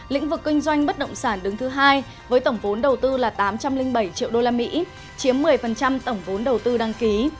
lĩnh vực kinh doanh bất động sản đứng thứ hai với tổng vốn đầu tư là tám trăm linh bảy triệu usd chiếm một mươi tổng vốn đầu tư đăng ký